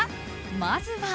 まずは。